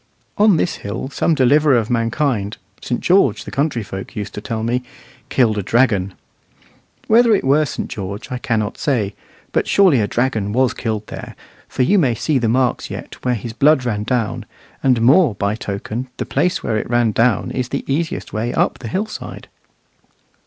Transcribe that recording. On this hill some deliverer of mankind St. George, the country folk used to tell me killed a dragon. Whether it were St. George, I cannot say; but surely a dragon was killed there, for you may see the marks yet where his blood ran down, and more by token the place where it ran down is the easiest way up the hillside.